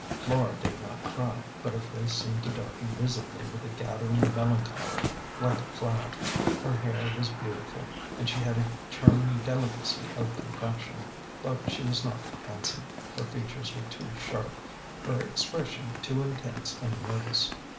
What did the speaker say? Flora did not cry, but her face seemed to darken visibly with a gathering melancholy like a cloud. Her hair was beautiful, and she had a charming delicacy of complexion ; but she was not handsome, her features were too sharp, her expression too intense and nervous.